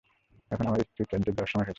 এখন আমার স্পিরিট রাজ্যে যাওয়ার সময় হয়েছে।